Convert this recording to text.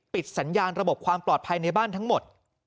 สัญญาณระบบความปลอดภัยในบ้านทั้งหมด